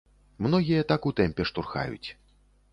Многія так у тэмпе штурхаюць.